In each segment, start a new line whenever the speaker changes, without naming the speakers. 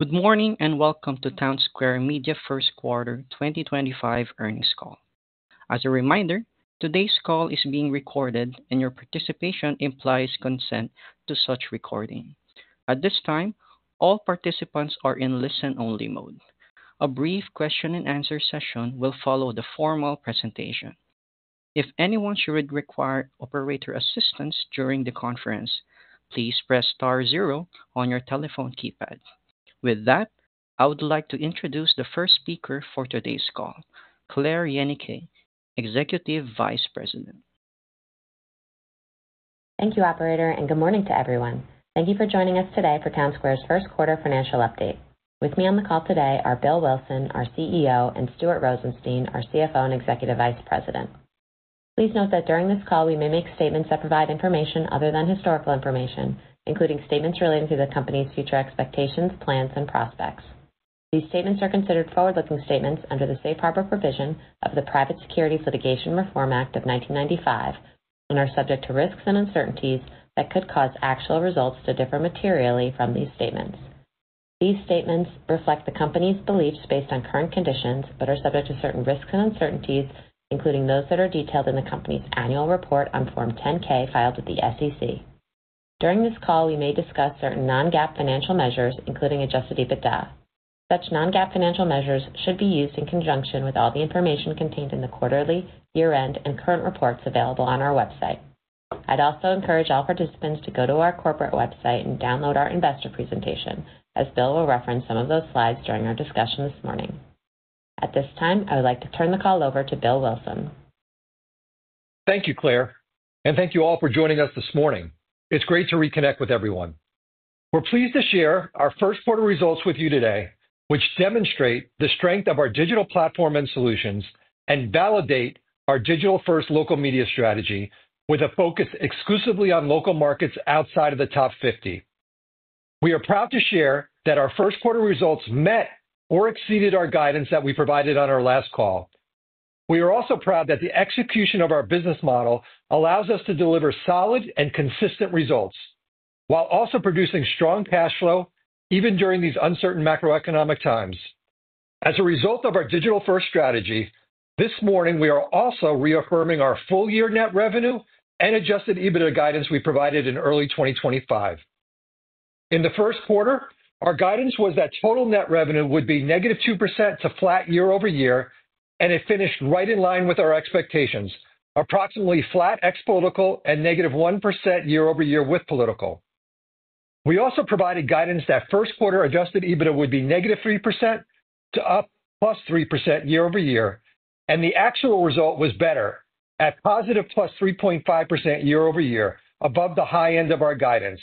Good morning and welcome to Townsquare Media First Quarter 2025 earnings call. As a reminder, today's call is being recorded and your participation implies consent to such recording. At this time, all participants are in listen-only mode. A brief question-and-answer session will follow the formal presentation. If anyone should require operator assistance during the conference, please press star zero on your telephone keypad. With that, I would like to introduce the first speaker for today's call, Claire Yenicay, Executive Vice President.
Thank you, Operator, and good morning to everyone. Thank you for joining us today for Townsquare's First Quarter Financial Update. With me on the call today are Bill Wilson, our CEO, and Stuart Rosenstein, our CFO and Executive Vice President. Please note that during this call, we may make statements that provide information other than historical information, including statements relating to the company's future expectations, plans, and prospects. These statements are considered forward-looking statements under the Safe Harbor Provision of the Private Securities Litigation Reform Act of 1995 and are subject to risks and uncertainties that could cause actual results to differ materially from these statements. These statements reflect the company's beliefs based on current conditions but are subject to certain risks and uncertainties, including those that are detailed in the company's annual report on Form 10-K filed with the SEC. During this call, we may discuss certain non-GAAP financial measures, including adjusted EBITDA. Such non-GAAP financial measures should be used in conjunction with all the information contained in the quarterly, year-end, and current reports available on our website. I'd also encourage all participants to go to our corporate website and download our investor presentation, as Bill will reference some of those slides during our discussion this morning. At this time, I would like to turn the call over to Bill Wilson.
Thank you, Claire, and thank you all for joining us this morning. It's great to reconnect with everyone. We're pleased to share our first quarter results with you today, which demonstrate the strength of our digital platform and solutions and validate our digital-first local media strategy with a focus exclusively on local markets outside of the top 50. We are proud to share that our first quarter results met or exceeded our guidance that we provided on our last call. We are also proud that the execution of our business model allows us to deliver solid and consistent results while also producing strong cash flow even during these uncertain macroeconomic times. As a result of our digital-first strategy, this morning, we are also reaffirming our full-year net revenue and adjusted EBITDA guidance we provided in early 2023. In the first quarter, our guidance was that total net revenue would be negative 2% to flat year-over-year, and it finished right in line with our expectations, approximately flat ex-political and negative 1% year-over-year with political. We also provided guidance that first quarter adjusted EBITDA would be negative 3%-+3% year-over-year, and the actual result was better at positive + 3.5% year-over-year, above the high end of our guidance.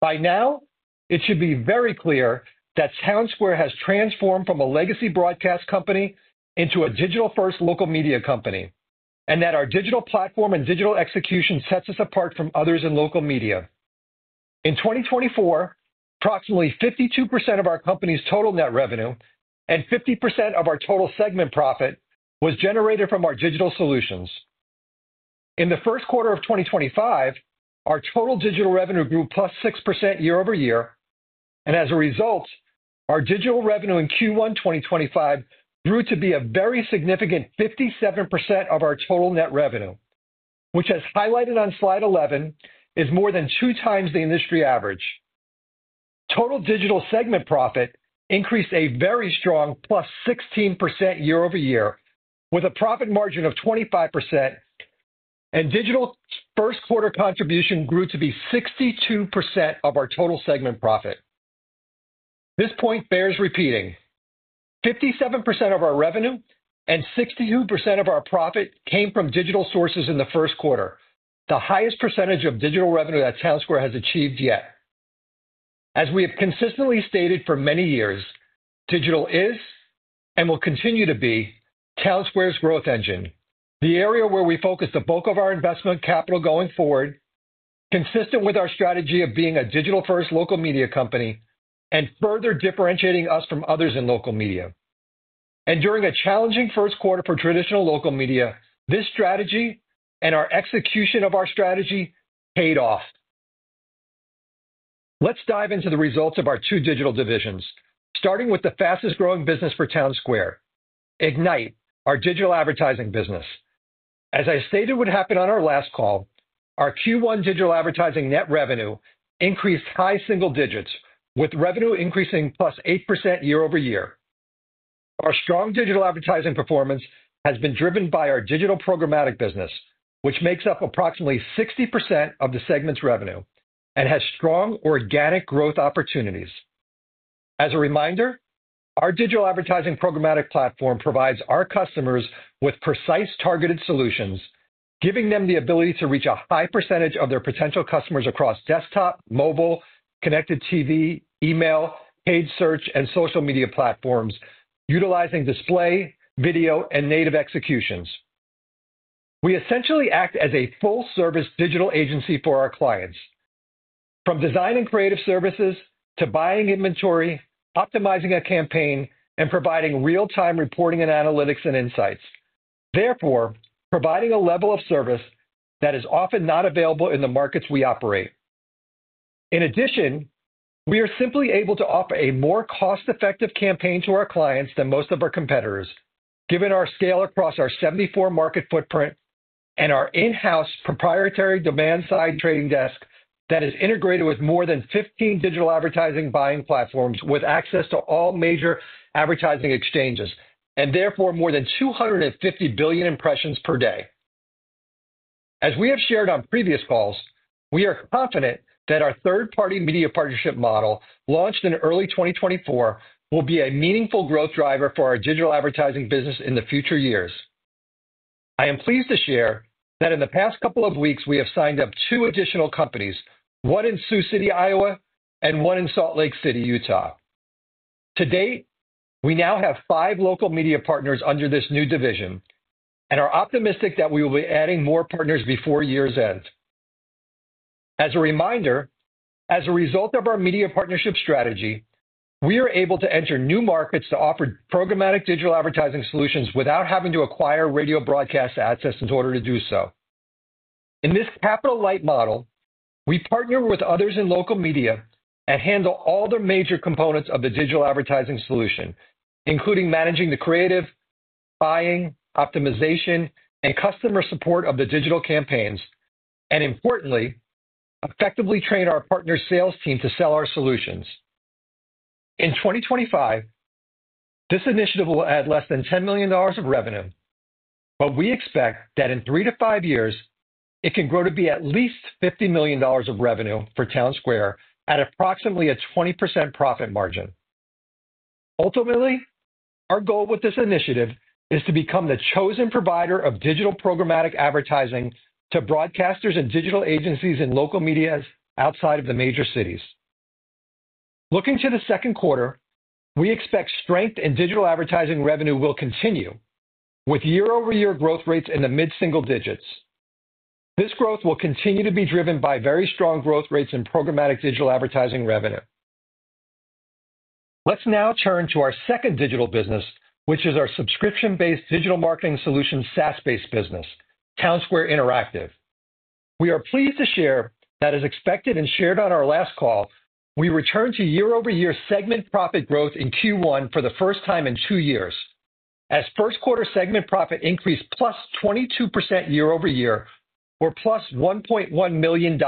By now, it should be very clear that Townsquare has transformed from a legacy broadcast company into a digital-first local media company and that our digital platform and digital execution sets us apart from others in local media. In 2024, approximately 52% of our company's total net revenue and 50% of our total segment profit was generated from our digital solutions. In the first quarter of 2025, our total digital revenue grew +6% year-over-year, and as a result, our digital revenue in Q1 2025 grew to be a very significant 57% of our total net revenue, which, as highlighted on slide 11, is more than two times the industry average. Total digital segment profit increased a very strong +16% year-over-year, with a profit margin of 25%, and digital first quarter contribution grew to be 62% of our total segment profit. This point bears repeating: 57% of our revenue and 62% of our profit came from digital sources in the first quarter, the highest percentage of digital revenue that Townsquare has achieved yet. As we have consistently stated for many years, digital is and will continue to be Townsquare's growth engine, the area where we focus the bulk of our investment capital going forward, consistent with our strategy of being a digital-first local media company and further differentiating us from others in local media. During a challenging first quarter for traditional local media, this strategy and our execution of our strategy paid off. Let's dive into the results of our two digital divisions, starting with the fastest-growing business for Townsquare, Ignite, our digital advertising business. As I stated would happen on our last call, our Q1 digital advertising net revenue increased high single digits, with revenue increasing + 8% year-over-year. Our strong digital advertising performance has been driven by our digital programmatic business, which makes up approximately 60% of the segment's revenue and has strong organic growth opportunities. As a reminder, our digital advertising programmatic platform provides our customers with precise targeted solutions, giving them the ability to reach a high percentage of their potential customers across desktop, mobile, connected TV, email, paid search, and social media platforms, utilizing display, video, and native executions. We essentially act as a full-service digital agency for our clients, from designing creative services to buying inventory, optimizing a campaign, and providing real-time reporting and analytics and insights, therefore providing a level of service that is often not available in the markets we operate. In addition, we are simply able to offer a more cost-effective campaign to our clients than most of our competitors, given our scale across our 74-market footprint and our in-house proprietary demand-side trading desk that is integrated with more than 15 digital advertising buying platforms with access to all major advertising exchanges, and therefore more than 250 billion impressions per day. As we have shared on previous calls, we are confident that our third-party media partnership model launched in early 2024 will be a meaningful growth driver for our digital advertising business in the future years. I am pleased to share that in the past couple of weeks, we have signed up two additional companies, one in Sioux City, Iowa, and one in Salt Lake City, Utah. To date, we now have five local media partners under this new division and are optimistic that we will be adding more partners before year's end. As a reminder, as a result of our media partnership strategy, we are able to enter new markets to offer programmatic digital advertising solutions without having to acquire radio broadcast access in order to do so. In this capital-light model, we partner with others in local media and handle all the major components of the digital advertising solution, including managing the creative, buying, optimization, and customer support of the digital campaigns, and importantly, effectively train our partner sales team to sell our solutions. In 2025, this initiative will add less than $10 million of revenue, but we expect that in three to five years, it can grow to be at least $50 million of revenue for Townsquare at approximately a 20% profit margin. Ultimately, our goal with this initiative is to become the chosen provider of digital programmatic advertising to broadcasters and digital agencies in local media outside of the major cities. Looking to the second quarter, we expect strength in digital advertising revenue will continue, with year-over-year growth rates in the mid-single digits. This growth will continue to be driven by very strong growth rates in programmatic digital advertising revenue. Let's now turn to our second digital business, which is our subscription-based digital marketing solution SaaS-based business, Townsquare Interactive. We are pleased to share that as expected and shared on our last call, we returned to year-over-year segment profit growth in Q1 for the first time in two years, as first quarter segment profit increased +22% year-over-year or + $1.1 million.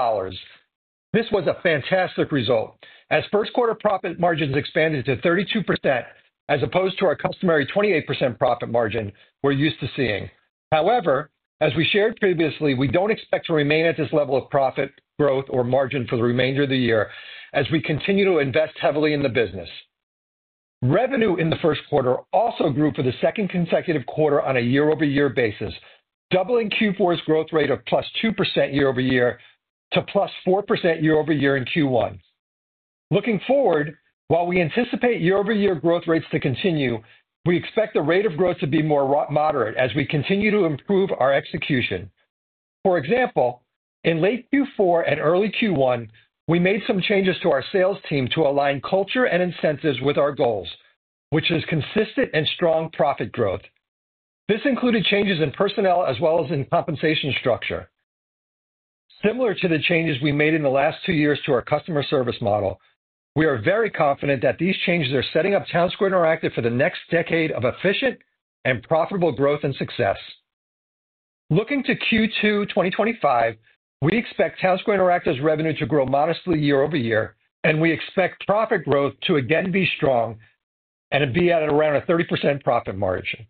This was a fantastic result, as first quarter profit margins expanded to 32% as opposed to our customary 28% profit margin we're used to seeing. However, as we shared previously, we don't expect to remain at this level of profit growth or margin for the remainder of the year as we continue to invest heavily in the business. Revenue in the first quarter also grew for the second consecutive quarter on a year-over-year basis, doubling Q4's growth rate of + 2% year-over-year to + 4% year-over-year in Q1. Looking forward, while we anticipate year-over-year growth rates to continue, we expect the rate of growth to be more moderate as we continue to improve our execution. For example, in late Q4 and early Q1, we made some changes to our sales team to align culture and incentives with our goals, which is consistent and strong profit growth. This included changes in personnel as well as in compensation structure. Similar to the changes we made in the last two years to our customer service model, we are very confident that these changes are setting up Townsquare Interactive for the next decade of efficient and profitable growth and success. Looking to Q2 2025, we expect Townsquare Interactive's revenue to grow modestly year-over-year, and we expect profit growth to again be strong and be at around a 30% profit margin.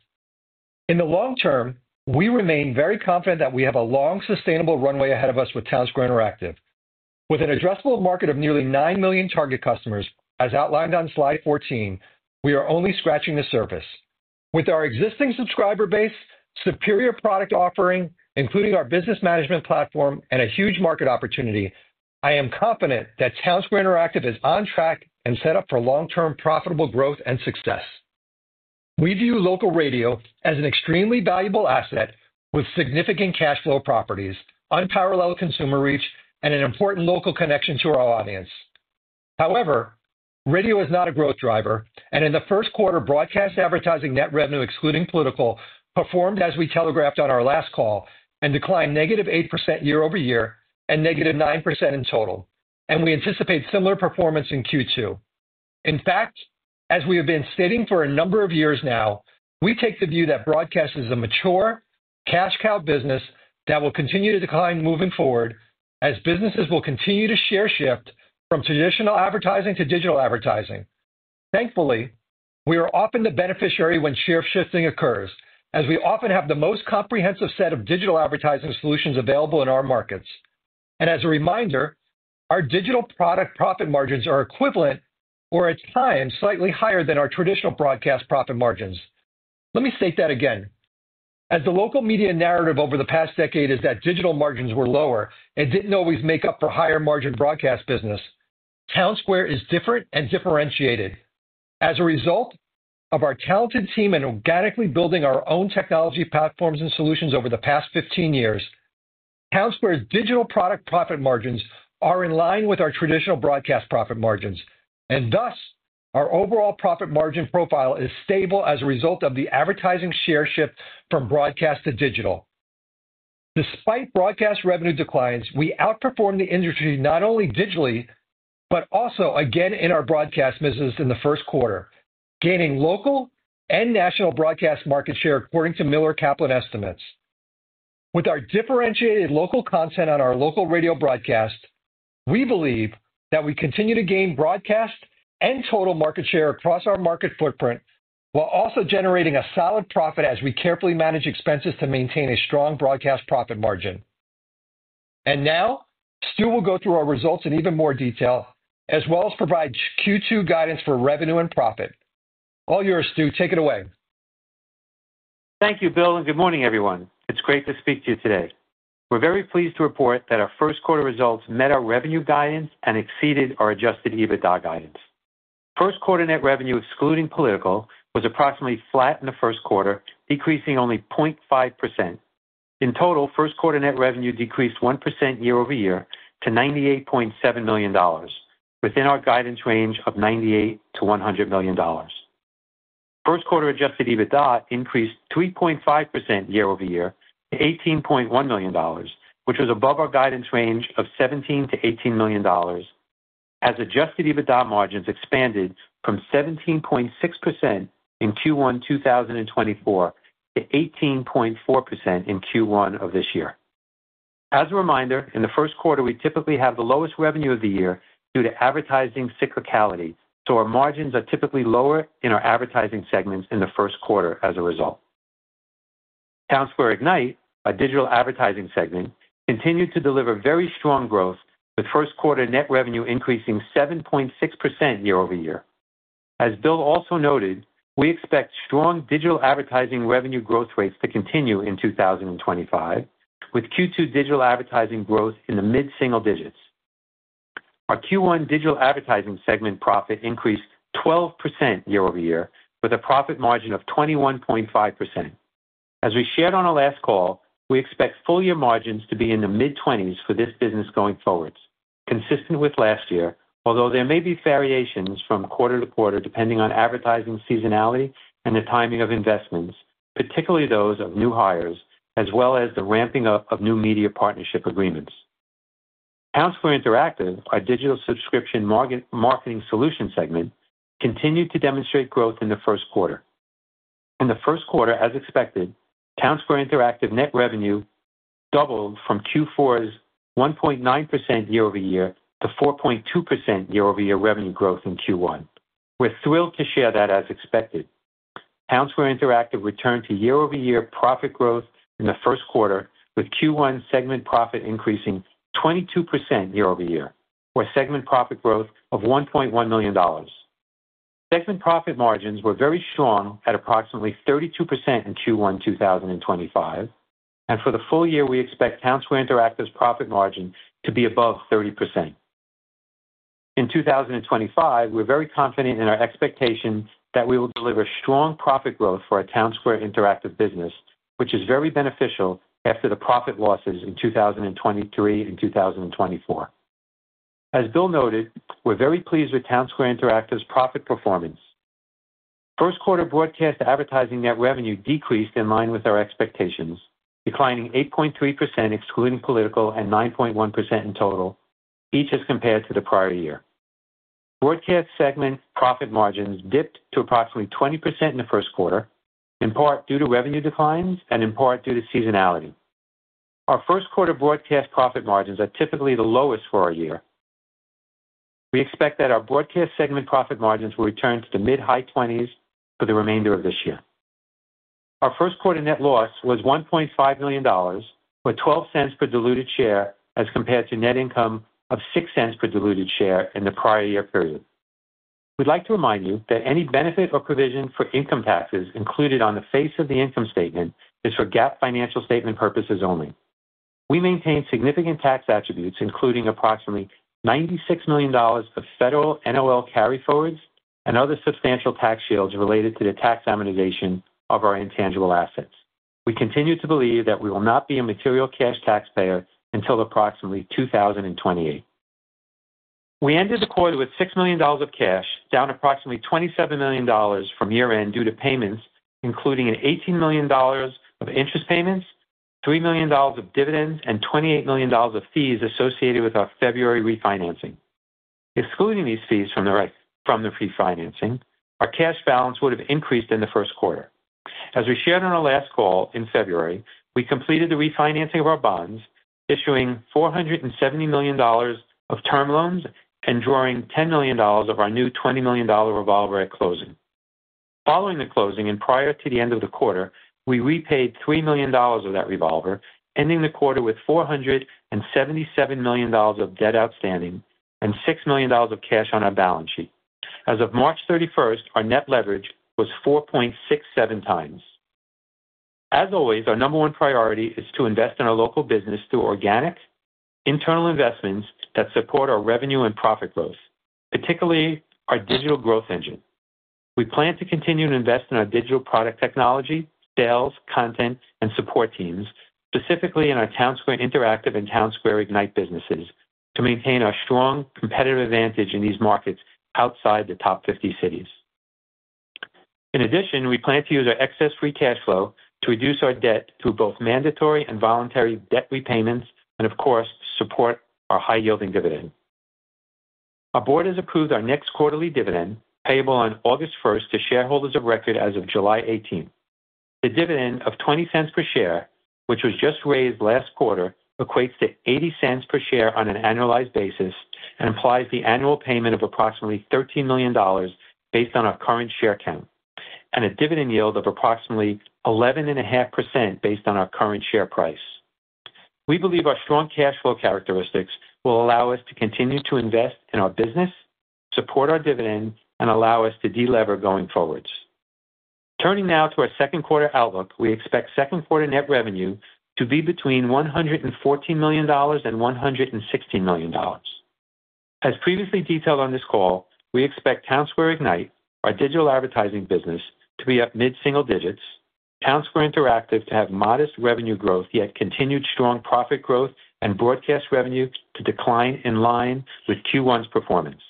In the long term, we remain very confident that we have a long, sustainable runway ahead of us with Townsquare Interactive. With an addressable market of nearly 9 million target customers, as outlined on slide 14, we are only scratching the surface. With our existing subscriber base, superior product offering, including our business management platform, and a huge market opportunity, I am confident that Townsquare Interactive is on track and set up for long-term profitable growth and success. We view local radio as an extremely valuable asset with significant cash flow properties, unparalleled consumer reach, and an important local connection to our audience. However, radio is not a growth driver, and in the first quarter, broadcast advertising net revenue, excluding political, performed as we telegraphed on our last call and declined negative 8% year-over-year and negative 9% in total, and we anticipate similar performance in Q2. In fact, as we have been stating for a number of years now, we take the view that broadcast is a mature, cash-cow business that will continue to decline moving forward as businesses will continue to share shift from traditional advertising to digital advertising. Thankfully, we are often the beneficiary when share shifting occurs, as we often have the most comprehensive set of digital advertising solutions available in our markets. As a reminder, our digital product profit margins are equivalent or at times slightly higher than our traditional broadcast profit margins. Let me state that again. As the local media narrative over the past decade is that digital margins were lower and did not always make up for higher margin broadcast business, Townsquare is different and differentiated. As a result of our talented team and organically building our own technology platforms and solutions over the past 15 years, Townsquare's digital product profit margins are in line with our traditional broadcast profit margins, and thus our overall profit margin profile is stable as a result of the advertising share shift from broadcast to digital. Despite broadcast revenue declines, we outperform the industry not only digitally but also again in our broadcast business in the first quarter, gaining local and national broadcast market share according to Miller Kaplan estimates. With our differentiated local content on our local radio broadcast, we believe that we continue to gain broadcast and total market share across our market footprint while also generating a solid profit as we carefully manage expenses to maintain a strong broadcast profit margin. Stu will go through our results in even more detail, as well as provide Q2 guidance for revenue and profit. All yours, Stu. Take it away.
Thank you, Bill, and good morning, everyone. It's great to speak to you today. We're very pleased to report that our first quarter results met our revenue guidance and exceeded our adjusted EBITDA guidance. First quarter net revenue, excluding political, was approximately flat in the first quarter, decreasing only 0.5%. In total, first quarter net revenue decreased 1% year-over-year to $98.7 million, within our guidance range of $98-$100 million. First quarter adjusted EBITDA increased 3.5% year-over-year to $18.1 million, which was above our guidance range of $17-$18 million, as adjusted EBITDA margins expanded from 17.6% in Q1 2024 to 18.4% in Q1 of this year. As a reminder, in the first quarter, we typically have the lowest revenue of the year due to advertising cyclicality, so our margins are typically lower in our advertising segments in the first quarter as a result. Townsquare Ignite, our digital advertising segment, continued to deliver very strong growth, with first quarter net revenue increasing 7.6% year-over-year. As Bill also noted, we expect strong digital advertising revenue growth rates to continue in 2025, with Q2 digital advertising growth in the mid-single digits. Our Q1 digital advertising segment profit increased 12% year-over-year, with a profit margin of 21.5%. As we shared on our last call, we expect full-year margins to be in the mid-20% for this business going forward, consistent with last year, although there may be variations from quarter to quarter depending on advertising seasonality and the timing of investments, particularly those of new hires, as well as the ramping up of new media partnership agreements. Townsquare Interactive, our digital subscription marketing solution segment, continued to demonstrate growth in the first quarter. In the first quarter, as expected, Townsquare Interactive net revenue doubled from Q4's 1.9% year-over-year to 4.2% year-over-year revenue growth in Q1. We're thrilled to share that, as expected. Townsquare Interactive returned to year-over-year profit growth in the first quarter, with Q1 segment profit increasing 22% year-over-year, or segment profit growth of $1.1 million. Segment profit margins were very strong at approximately 32% in Q1 2025, and for the full year, we expect Townsquare Interactive's profit margin to be above 30%. In 2025, we're very confident in our expectation that we will deliver strong profit growth for our Townsquare Interactive business, which is very beneficial after the profit losses in 2023 and 2024. As Bill noted, we're very pleased with Townsquare Interactive's profit performance. First quarter broadcast advertising net revenue decreased in line with our expectations, declining 8.3% excluding political and 9.1% in total, each as compared to the prior year. Broadcast segment profit margins dipped to approximately 20% in the first quarter, in part due to revenue declines and in part due to seasonality. Our first quarter broadcast profit margins are typically the lowest for our year. We expect that our broadcast segment profit margins will return to the mid-high 20s for the remainder of this year. Our first quarter net loss was $1.5 million, or $0.12 per diluted share, as compared to net income of $0.06 per diluted share in the prior year period. We'd like to remind you that any benefit or provision for income taxes included on the face of the income statement is for GAAP financial statement purposes only. We maintain significant tax attributes, including approximately $96 million of federal NOL carryforwards and other substantial tax shields related to the tax amortization of our intangible assets. We continue to believe that we will not be a material cash taxpayer until approximately 2028. We ended the quarter with $6 million of cash, down approximately $27 million from year-end due to payments, including $18 million of interest payments, $3 million of dividends, and $28 million of fees associated with our February refinancing. Excluding these fees from the refinancing, our cash balance would have increased in the first quarter. As we shared on our last call in February, we completed the refinancing of our bonds, issuing $470 million of term loans and drawing $10 million of our new $20 million revolver at closing. Following the closing and prior to the end of the quarter, we repaid $3 million of that revolver, ending the quarter with $477 million of debt outstanding and $6 million of cash on our balance sheet. As of March 31st, our net leverage was 4.67 times. As always, our number one priority is to invest in our local business through organic, internal investments that support our revenue and profit growth, particularly our digital growth engine. We plan to continue to invest in our digital product technology, sales, content, and support teams, specifically in our Townsquare Interactive and Townsquare Ignite businesses, to maintain our strong competitive advantage in these markets outside the top 50 cities. In addition, we plan to use our excess free cash flow to reduce our debt through both mandatory and voluntary debt repayments and, of course, support our high-yielding dividend. Our board has approved our next quarterly dividend, payable on August first to shareholders of record as of July 18. The dividend of $0.20 per share, which was just raised last quarter, equates to $0.80 per share on an annualized basis and implies the annual payment of approximately $13 million based on our current share count, and a dividend yield of approximately 11.5% based on our current share price. We believe our strong cash flow characteristics will allow us to continue to invest in our business, support our dividend, and allow us to delever going forward. Turning now to our second quarter outlook, we expect second quarter net revenue to be between $114 million-$116 million. As previously detailed on this call, we expect Townsquare Ignite, our digital advertising business, to be up mid-single digits, and Townsquare Interactive to have modest revenue growth, yet continued strong profit growth and broadcast revenue to decline in line with Q1's performance.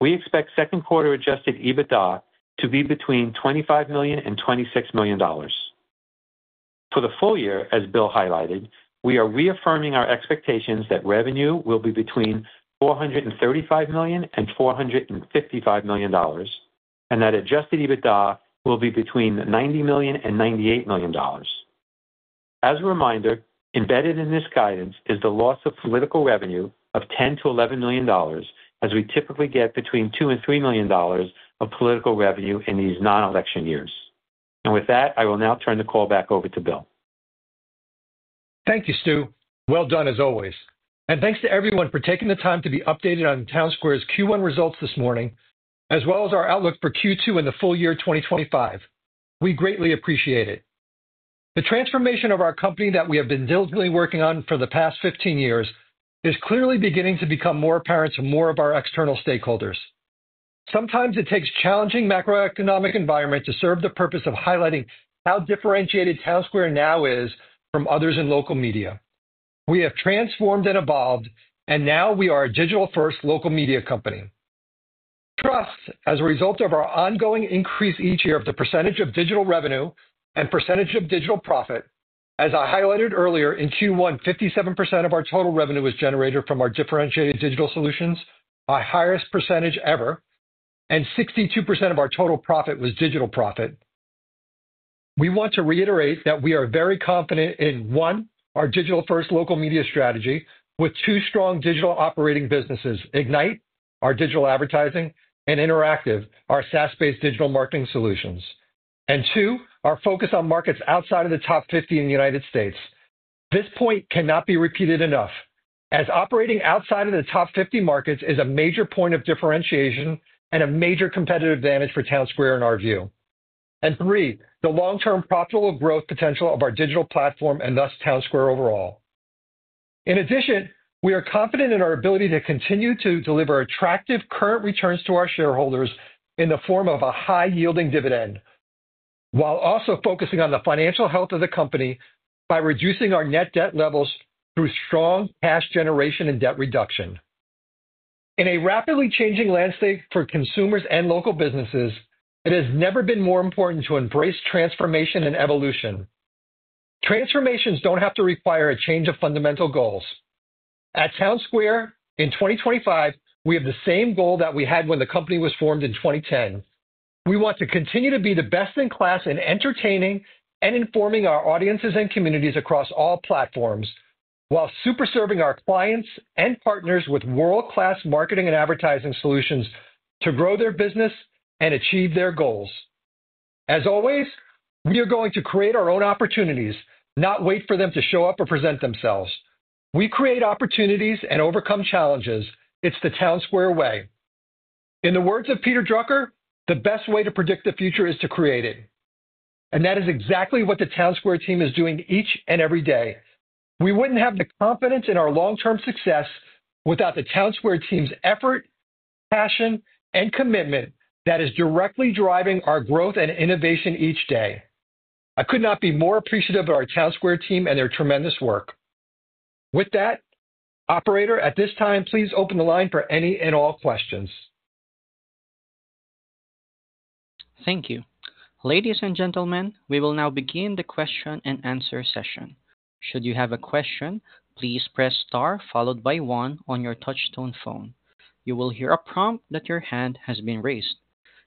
We expect second quarter adjusted EBITDA to be between $25 million-$26 million. For the full year, as Bill highlighted, we are reaffirming our expectations that revenue will be between $435 million-$455 million, and that adjusted EBITDA will be between $90 million-$98 million. As a reminder, embedded in this guidance is the loss of political revenue of $10-$11 million, as we typically get between $2-$3 million of political revenue in these non-election years. With that, I will now turn the call back over to Bill.
Thank you, Stu. Well done, as always. Thanks to everyone for taking the time to be updated on Townsquare's Q1 results this morning, as well as our outlook for Q2 and the full year 2025. We greatly appreciate it. The transformation of our company that we have been diligently working on for the past 15 years is clearly beginning to become more apparent to more of our external stakeholders. Sometimes it takes challenging macroeconomic environments to serve the purpose of highlighting how differentiated Townsquare Media now is from others in local media. We have transformed and evolved, and now we are a digital-first local media company. We trust, as a result of our ongoing increase each year of the percentage of digital revenue and percentage of digital profit, as I highlighted earlier, in Q1, 57% of our total revenue was generated from our differentiated digital solutions, our highest percentage ever, and 62% of our total profit was digital profit. We want to reiterate that we are very confident in, one, our digital-first local media strategy with two strong digital operating businesses: Ignite, our digital advertising, and Interactive, our SaaS-based digital marketing solutions. Two, our focus on markets outside of the top 50 in the U.S. This point cannot be repeated enough, as operating outside of the top 50 markets is a major point of differentiation and a major competitive advantage for Townsquare in our view. Three, the long-term profitable growth potential of our digital platform and thus Townsquare overall. In addition, we are confident in our ability to continue to deliver attractive current returns to our shareholders in the form of a high-yielding dividend, while also focusing on the financial health of the company by reducing our net debt levels through strong cash generation and debt reduction. In a rapidly changing landscape for consumers and local businesses, it has never been more important to embrace transformation and evolution. Transformations do not have to require a change of fundamental goals. At Townsquare, in 2025, we have the same goal that we had when the company was formed in 2010. We want to continue to be the best in class in entertaining and informing our audiences and communities across all platforms, while super serving our clients and partners with world-class marketing and advertising solutions to grow their business and achieve their goals. As always, we are going to create our own opportunities, not wait for them to show up or present themselves. We create opportunities and overcome challenges. It is the Townsquare way. In the words of Peter Drucker, "The best way to predict the future is to create it." That is exactly what the Townsquare team is doing each and every day. We would not have the confidence in our long-term success without the Townsquare team's effort, passion, and commitment that is directly driving our growth and innovation each day. I could not be more appreciative of our Townsquare team and their tremendous work. With that, Operator, at this time, please open the line for any and all questions.
Thank you. Ladies and gentlemen, we will now begin the question and answer session. Should you have a question, please press star followed by one on your touch-tone phone. You will hear a prompt that your hand has been raised.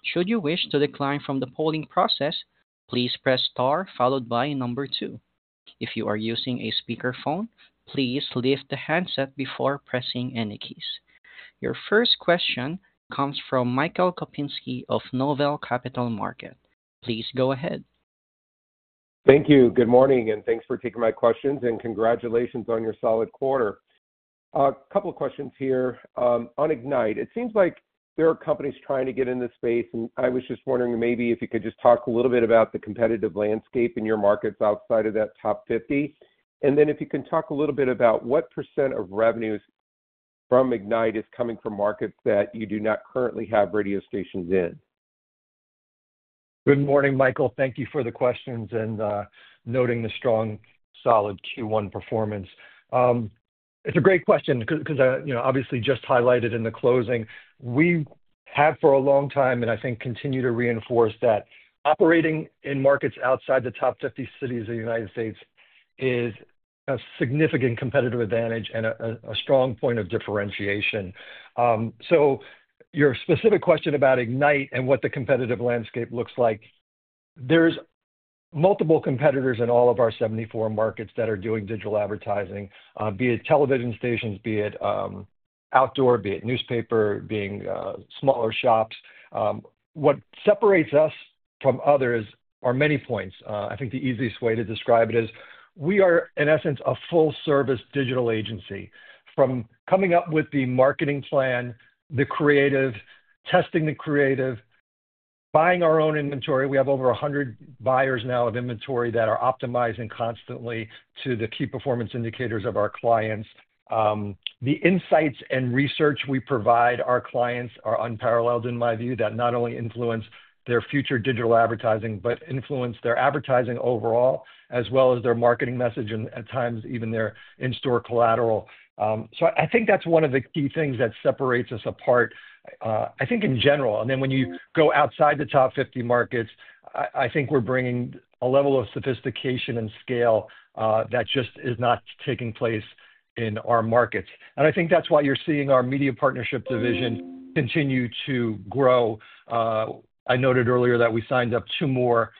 Should you wish to decline from the polling process, please press star followed by number two. If you are using a speakerphone, please lift the handset before pressing any keys. Your first question comes from Michael Kupinski of Noble Capital Markets. Please go ahead.
Thank you. Good morning, and thanks for taking my questions, and congratulations on your solid quarter. A couple of questions here on Ignite. It seems like there are companies trying to get in this space, and I was just wondering maybe if you could just talk a little bit about the competitive landscape in your markets outside of that top 50. And then if you can talk a little bit about what % of revenues from Ignite is coming from markets that you do not currently have radio stations in.
Good morning, Michael. Thank you for the questions and noting the strong, solid Q1 performance. It's a great question because I obviously just highlighted in the closing. We have for a long time, and I think continue to reinforce that operating in markets outside the top 50 cities of the U.S. is a significant competitive advantage and a strong point of differentiation. Your specific question about Ignite and what the competitive landscape looks like, there's multiple competitors in all of our 74 markets that are doing digital advertising, be it television stations, be it outdoor, be it newspaper, being smaller shops. What separates us from others are many points. I think the easiest way to describe it is we are, in essence, a full-service digital agency from coming up with the marketing plan, the creative, testing the creative, buying our own inventory. We have over 100 buyers now of inventory that are optimizing constantly to the key performance indicators of our clients. The insights and research we provide our clients are unparalleled in my view that not only influence their future digital advertising, but influence their advertising overall, as well as their marketing message, and at times even their in-store collateral. I think that's one of the key things that separates us apart, I think in general. When you go outside the top 50 markets, I think we're bringing a level of sophistication and scale that just is not taking place in our markets. I think that's why you're seeing our media partnership division continue to grow. I noted earlier that we signed up two more.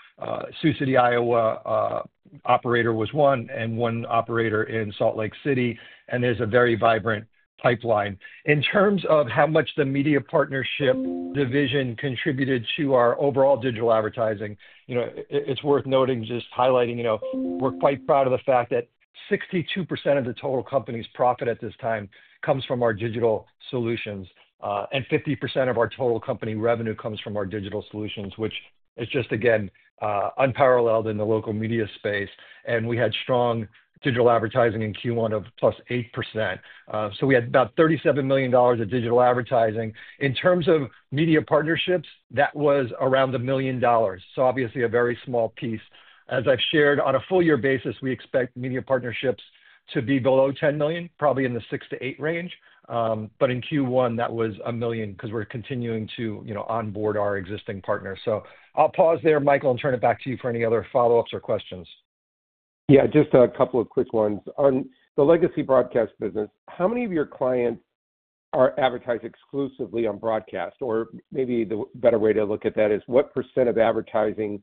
Sioux City, Iowa operator was one, and one operator in Salt Lake City, and there's a very vibrant pipeline. In terms of how much the media partnership division contributed to our overall digital advertising, it's worth noting, just highlighting, we're quite proud of the fact that 62% of the total company's profit at this time comes from our digital solutions, and 50% of our total company revenue comes from our digital solutions, which is just, again, unparalleled in the local media space. We had strong digital advertising in Q1 of +8%. We had about $37 million of digital advertising. In terms of media partnerships, that was around $1 million. Obviously a very small piece. As I've shared, on a full year basis, we expect media partnerships to be below $10 million, probably in the $6 million-$8 million range. In Q1, that was $1 million because we're continuing to onboard our existing partners. I'll pause there, Michael, and turn it back to you for any other follow-ups or questions. Yeah, just a couple of quick ones. On the legacy broadcast business, how many of your clients are advertised exclusively on broadcast? Or maybe the better way to look at that is what % of advertising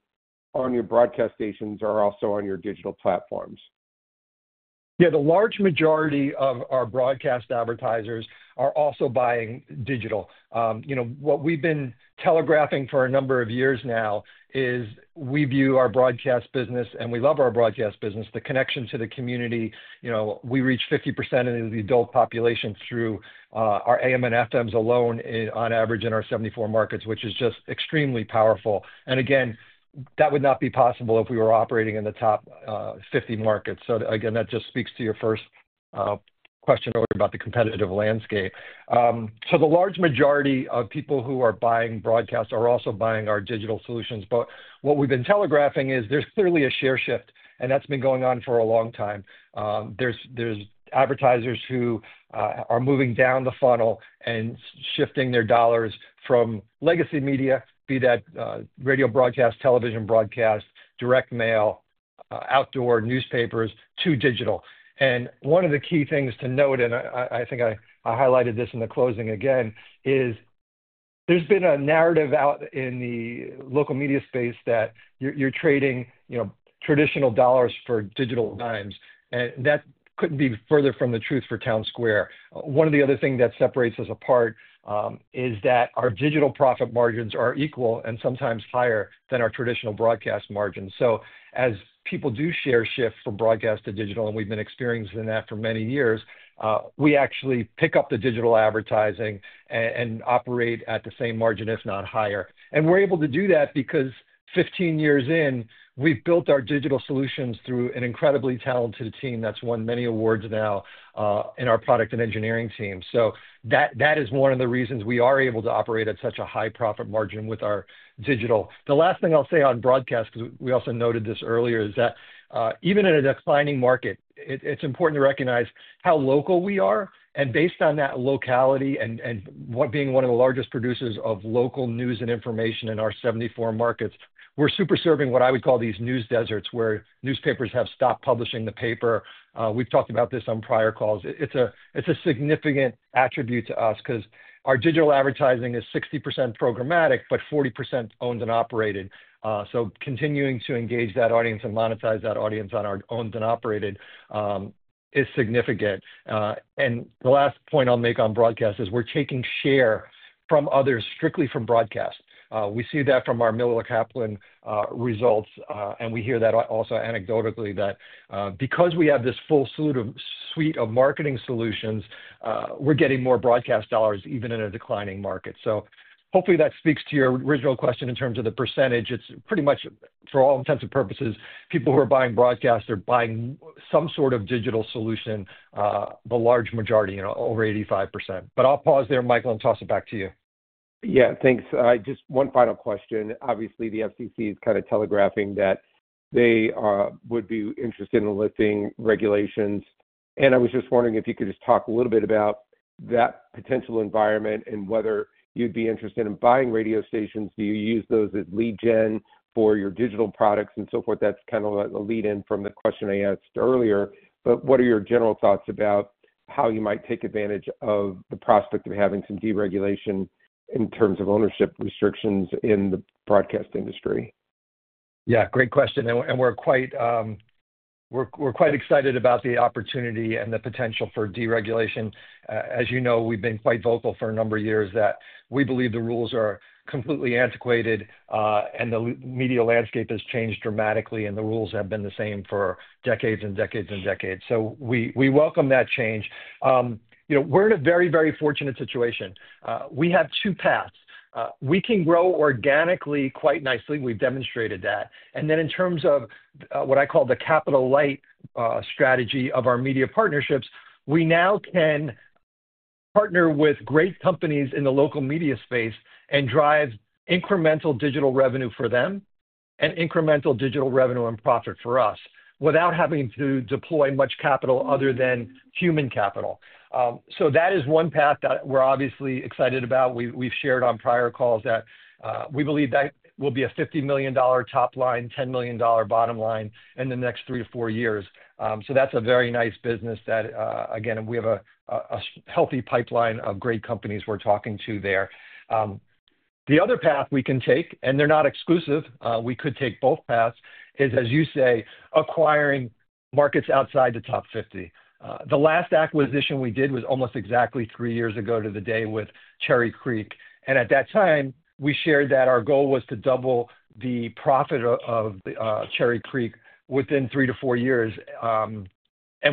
on your broadcast stations are also on your digital platforms? Yeah, the large majority of our broadcast advertisers are also buying digital. What we've been telegraphing for a number of years now is we view our broadcast business, and we love our broadcast business, the connection to the community. We reach 50% of the adult population through our AM and FMs alone on average in our 74 markets, which is just extremely powerful. Again, that would not be possible if we were operating in the top 50 markets. That just speaks to your first question earlier about the competitive landscape. The large majority of people who are buying broadcast are also buying our digital solutions. What we've been telegraphing is there's clearly a share shift, and that's been going on for a long time. There's advertisers who are moving down the funnel and shifting their dollars from legacy media, be that radio broadcast, television broadcast, direct mail, outdoor newspapers, to digital. One of the key things to note, and I think I highlighted this in the closing again, is there's been a narrative out in the local media space that you're trading traditional dollars for digital dimes. That couldn't be further from the truth for Townsquare. One of the other things that separates us apart is that our digital profit margins are equal and sometimes higher than our traditional broadcast margins. As people do share shift from broadcast to digital, and we've been experiencing that for many years, we actually pick up the digital advertising and operate at the same margin, if not higher. We're able to do that because 15 years in, we've built our digital solutions through an incredibly talented team that's won many awards now in our product and engineering team. That is one of the reasons we are able to operate at such a high profit margin with our digital. The last thing I'll say on broadcast, because we also noted this earlier, is that even in a declining market, it's important to recognize how local we are. Based on that locality and being one of the largest producers of local news and information in our 74 markets, we're super serving what I would call these news deserts where newspapers have stopped publishing the paper. We've talked about this on prior calls. It's a significant attribute to us because our digital advertising is 60% programmatic, but 40% owned and operated. Continuing to engage that audience and monetize that audience on our owned and operated is significant. The last point I'll make on broadcast is we're taking share from others strictly from broadcast. We see that from our Miller Kaplan results, and we hear that also anecdotally that because we have this full suite of marketing solutions, we're getting more broadcast dollars even in a declining market. Hopefully that speaks to your original question in terms of the percentage. It's pretty much for all intents and purposes, people who are buying broadcast are buying some sort of digital solution, the large majority, over 85%. I will pause there, Michael, and toss it back to you.
Yeah, thanks. Just one final question. Obviously, the FCC is kind of telegraphing that they would be interested in lifting regulations. I was just wondering if you could just talk a little bit about that potential environment and whether you'd be interested in buying radio stations. Do you use those as lead gen for your digital products and so forth? That is kind of a lead-in from the question I asked earlier. What are your general thoughts about how you might take advantage of the prospect of having some deregulation in terms of ownership restrictions in the broadcast industry? Yeah, great question. We're quite excited about the opportunity and the potential for deregulation. As you know, we've been quite vocal for a number of years that we believe the rules are completely antiquated and the media landscape has changed dramatically, and the rules have been the same for decades and decades and decades. We welcome that change. We're in a very, very fortunate situation. We have two paths. We can grow organically quite nicely. We've demonstrated that. In terms of what I call the capital light strategy of our media partnerships, we now can partner with great companies in the local media space and drive incremental digital revenue for them and incremental digital revenue and profit for us without having to deploy much capital other than human capital. That is one path that we're obviously excited about. We've shared on prior calls that we believe that will be a $50 million top line, $10 million bottom line in the next three to four years. That's a very nice business that, again, we have a healthy pipeline of great companies we're talking to there. The other path we can take, and they're not exclusive, we could take both paths, is, as you say, acquiring markets outside the top 50. The last acquisition we did was almost exactly three years ago to the day with Cherry Creek. At that time, we shared that our goal was to double the profit of Cherry Creek within three to four years.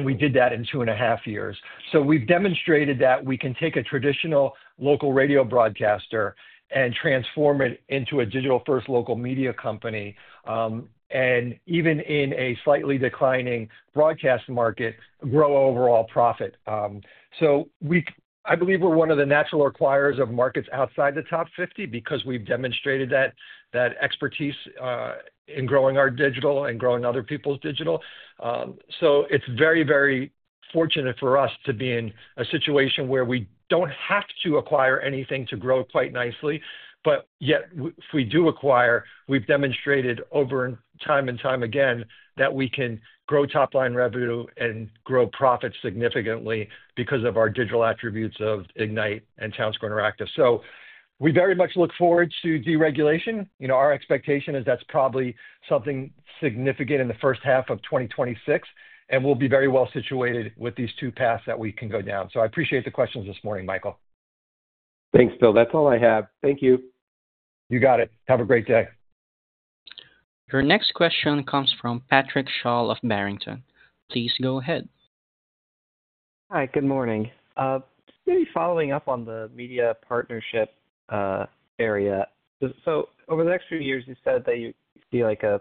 We did that in two and a half years. We have demonstrated that we can take a traditional local radio broadcaster and transform it into a digital-first local media company and even in a slightly declining broadcast market, grow overall profit. I believe we are one of the natural acquirers of markets outside the top 50 because we have demonstrated that expertise in growing our digital and growing other people's digital. It is very, very fortunate for us to be in a situation where we do not have to acquire anything to grow quite nicely. Yet, if we do acquire, we have demonstrated over time and time again that we can grow top-line revenue and grow profits significantly because of our digital attributes of Ignite and Townsquare Interactive. We very much look forward to deregulation. Our expectation is that's probably something significant in the first half of 2026, and we'll be very well situated with these two paths that we can go down.
I appreciate the questions this morning, Michael.
Thanks, Bill. That's all I have. Thank you.
You got it. Have a great day.
Your next question comes from Patrick Shaw of Barrington. Please go ahead.
Hi, good morning. Maybe following up on the media partnership area. Over the next few years, you said that you see an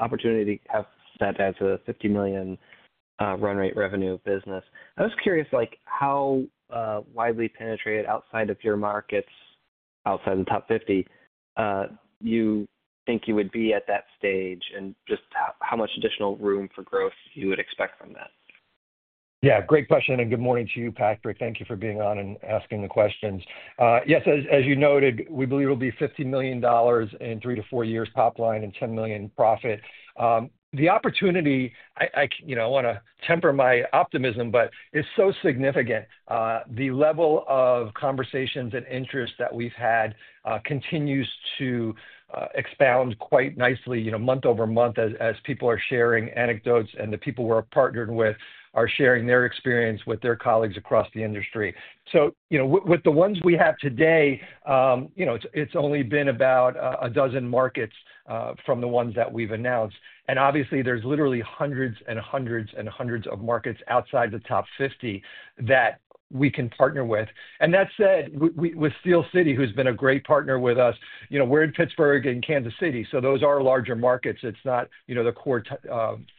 opportunity to have that as a $50 million run-rate revenue business. I was curious how widely penetrated outside of your markets, outside the top 50, you think you would be at that stage and just how much additional room for growth you would expect from that.
Yeah, great question. Good morning to you, Patrick. Thank you for being on and asking the questions. Yes, as you noted, we believe it'll be $50 million in three to four years top line and $10 million profit. The opportunity, I want to temper my optimism, but it's so significant. The level of conversations and interest that we've had continues to expound quite nicely month over month as people are sharing anecdotes, and the people we're partnered with are sharing their experience with their colleagues across the industry. With the ones we have today, it's only been about a dozen markets from the ones that we've announced. Obviously, there's literally hundreds and hundreds and hundreds of markets outside the top 50 that we can partner with. That said, with Steele City, who's been a great partner with us, we're in Pittsburgh and Kansas City, so those are larger markets. It's not the core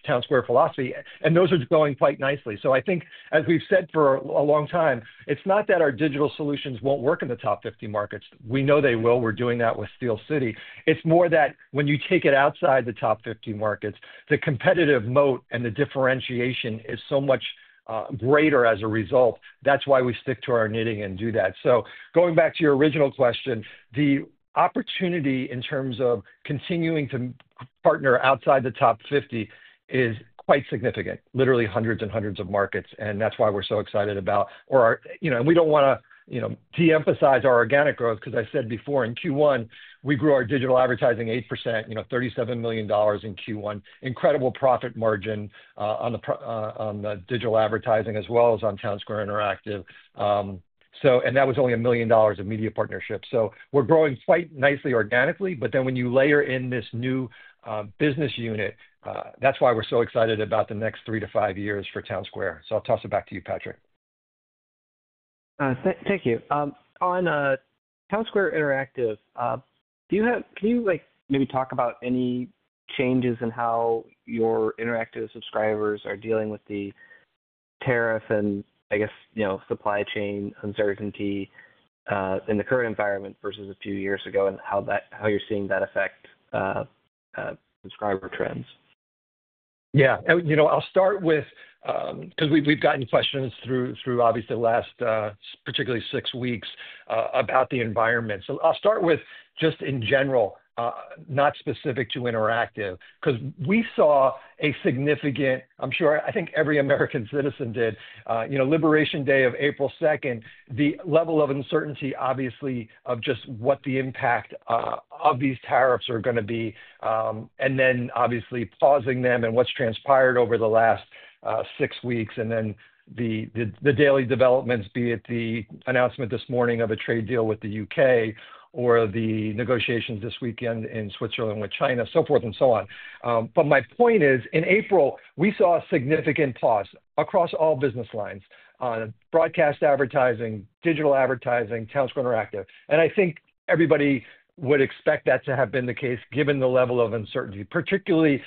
Townsquare philosophy. Those are growing quite nicely. I think, as we've said for a long time, it's not that our digital solutions won't work in the top 50 markets. We know they will. We're doing that with Steele City. It's more that when you take it outside the top 50 markets, the competitive moat and the differentiation is so much greater as a result. That's why we stick to our knitting and do that. Going back to your original question, the opportunity in terms of continuing to partner outside the top 50 is quite significant, literally hundreds and hundreds of markets. That's why we're so excited about, or we don't want to de-emphasize our organic growth because I said before in Q1, we grew our digital advertising 8%, $37 million in Q1, incredible profit margin on the digital advertising as well as on Townsquare Interactive. That was only $1 million of media partnership. We're growing quite nicely organically. When you layer in this new business unit, that's why we're so excited about the next three to five years for Townsquare. I'll toss it back to you, Patrick.
Thank you. On Townsquare Interactive, can you maybe talk about any changes in how your Interactive subscribers are dealing with the tariff and, I guess, supply chain uncertainty in the current environment versus a few years ago and how you're seeing that affect subscriber trends?
Yeah. I'll start with, because we've gotten questions through obviously the last particularly six weeks about the environment. I'll start with just in general, not specific to Interactive, because we saw a significant, I'm sure I think every American citizen did, Liberation Day of April 2nd, the level of uncertainty, obviously, of just what the impact of these tariffs are going to be, and then obviously pausing them and what's transpired over the last six weeks, and then the daily developments, be it the announcement this morning of a trade deal with the U.K. or the negotiations this weekend in Switzerland with China, so forth and so on. My point is, in April, we saw a significant pause across all business lines on broadcast advertising, digital advertising, Townsquare Interactive. I think everybody would expect that to have been the case given the level of uncertainty, particularly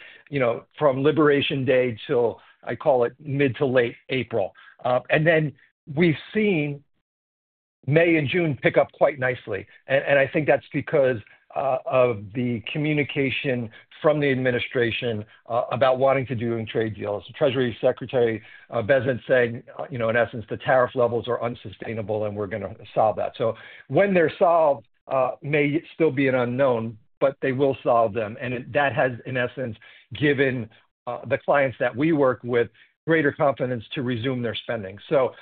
from Liberation Day till, I call it, mid to late April. We've seen May and June pick up quite nicely. I think that's because of the communication from the administration about wanting to do trade deals. Treasury Secretary Bessnett said, in essence, the tariff levels are unsustainable and we're going to solve that. When they're solved may still be an unknown, but they will solve them. That has, in essence, given the clients that we work with greater confidence to resume their spending.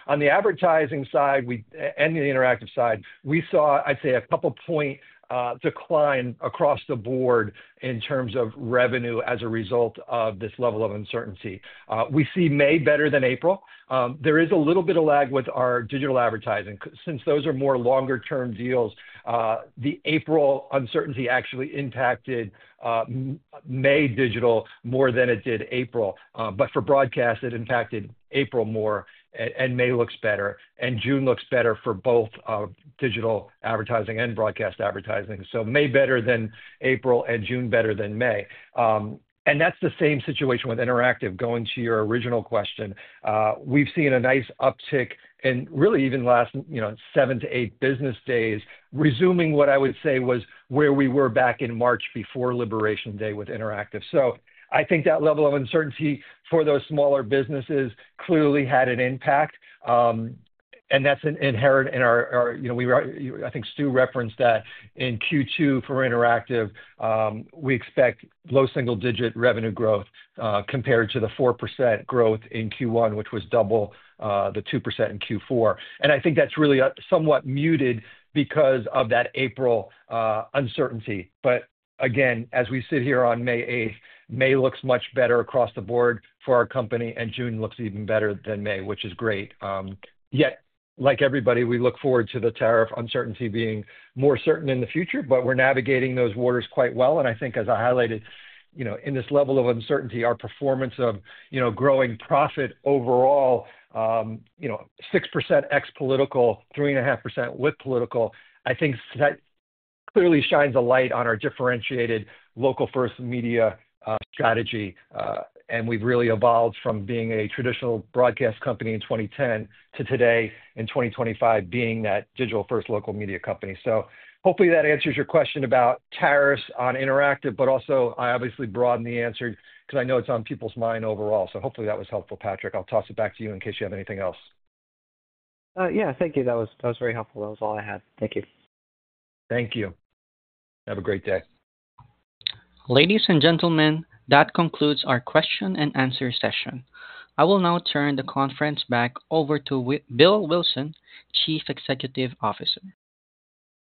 On the advertising side and the Interactive side, we saw, I'd say, a couple-point decline across the board in terms of revenue as a result of this level of uncertainty. We see May better than April. There is a little bit of lag with our digital advertising. Since those are more longer-term deals, the April uncertainty actually impacted May digital more than it did April. For broadcast, it impacted April more, and May looks better, and June looks better for both digital advertising and broadcast advertising. May is better than April and June is better than May. That is the same situation with Interactive. Going to your original question, we have seen a nice uptick in really even the last seven-eight business days resuming what I would say was where we were back in March before Liberation Day with Interactive. I think that level of uncertainty for those smaller businesses clearly had an impact. That is inherent in our—I think Stu referenced that in Q2 for Interactive. We expect low single-digit revenue growth compared to the 4% growth in Q1, which was double the 2% in Q4. I think that is really somewhat muted because of that April uncertainty. Again, as we sit here on May 8th, May looks much better across the board for our company, and June looks even better than May, which is great. Yet, like everybody, we look forward to the tariff uncertainty being more certain in the future, but we're navigating those waters quite well. I think, as I highlighted, in this level of uncertainty, our performance of growing profit overall, 6% ex-political, 3.5% with political, I think that clearly shines a light on our differentiated local-first media strategy. We have really evolved from being a traditional broadcast company in 2010 to today in 2025 being that digital-first local media company. Hopefully that answers your question about tariffs on Interactive, but also I obviously broaden the answer because I know it's on people's mind overall. Hopefully that was helpful, Patrick. I'll toss it back to you in case you have anything else.
Yeah, thank you. That was very helpful. That was all I had. Thank you.
Thank you. Have a great day.
Ladies and gentlemen, that concludes our question and answer session. I will now turn the conference back over to Bill Wilson, Chief Executive Officer.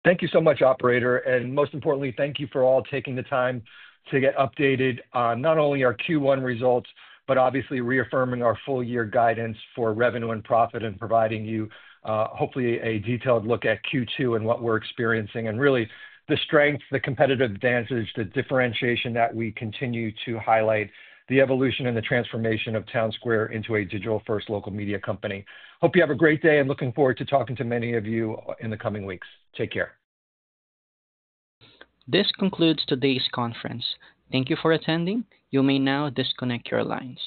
Thank you so much, Operator. Most importantly, thank you for all taking the time to get updated on not only our Q1 results, but obviously reaffirming our full-year guidance for revenue and profit and providing you hopefully a detailed look at Q2 and what we're experiencing and really the strength, the competitive advantage, the differentiation that we continue to highlight, the evolution and the transformation of Townsquare into a digital-first local media company. Hope you have a great day and looking forward to talking to many of you in the coming weeks. Take care.
This concludes today's conference. Thank you for attending. You may now disconnect your lines.